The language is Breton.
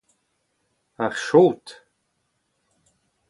ar jod